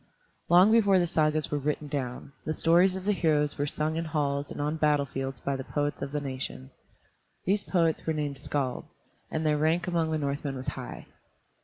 Long before the Sagas were written down, the stories of the heroes were sung in halls and on battle fields by the poets of the nation. These poets were named skalds, and their rank among the Northmen was high.